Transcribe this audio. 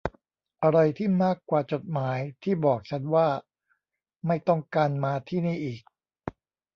อะไรที่มากกว่าจดหมายที่บอกฉันว่าไม่ต้องการมาที่นี่อีก